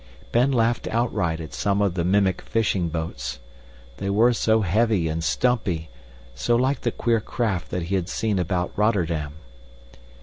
Ben laughed outright at some of the mimic fishing boats. They were so heavy and stumpy, so like the queer craft that he had seen about Rotterdam.